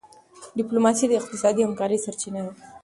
ډيپلوماسي د اقتصادي همکارۍ سرچینه ده.